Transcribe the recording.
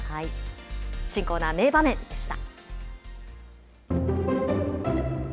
新コーナー、メイ場面でした。